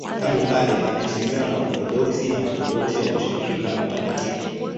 Tangu kale anaheshimiwa na Waorthodoksi na Waorthodoksi wa Mashariki kama mtakatifu.